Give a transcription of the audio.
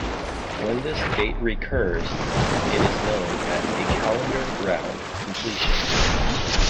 When this date recurs it is known as a Calendar Round completion.